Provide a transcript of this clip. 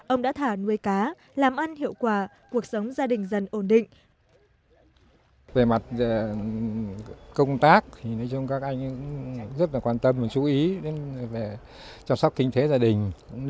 ông đã thả nuôi cá làm ăn hiệu quả cuộc sống gia đình dần ổn định